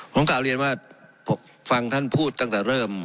ผมกลับเรียนว่าฟังท่านพูดตั้งแต่เริ่ม